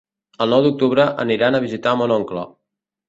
El nou d'octubre aniran a visitar mon oncle.